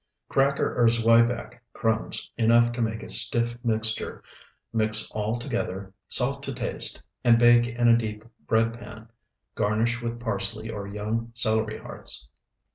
Cracker or zwieback crumbs enough to make a stiff mixture. Mix all together, salt to taste, and bake in a deep bread pan. Garnish with parsley or young celery hearts.